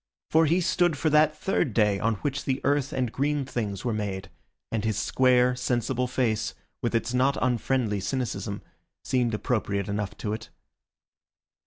For he stood for that third day on which the earth and green things were made, and his square, sensible face, with its not unfriendly cynicism, seemed appropriate enough to it.